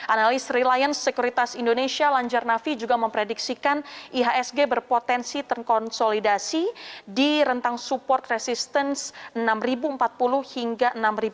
analis reliance sekuritas indonesia lanjarnavi juga memprediksikan ihsg berpotensi terkonsolidasi di rentang support resistance enam ribu empat puluh hingga enam ribu satu ratus empat puluh